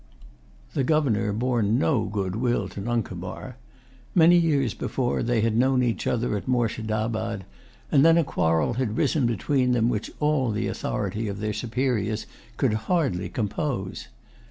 The Governor bore no good will to Nuncomar. Many years before, they had known each other at Moorshedabad; and then a quarrel had risen between them which all the authority of their superiors could hardly compose.